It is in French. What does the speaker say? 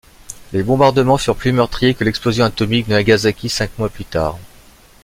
Les bombardements furent plus meurtriers que l'explosion atomique de Nagasaki cinq mois plus tard.